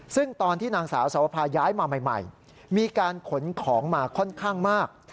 ซึ่งตอนที่นางสาวสวภาย้ายมาใหม่มีการขนของมาค่อนข้างมาก